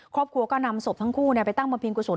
ครอบครัวก็นำศพทั้งคู่ไปตั้งบำเพ็งกุศล